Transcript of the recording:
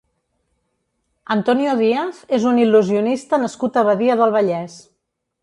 Antonio Díaz és un il·lusionista nascut a Badia del Vallès.